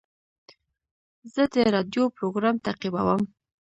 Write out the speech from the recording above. زه د راډیو پروګرام تعقیبوم.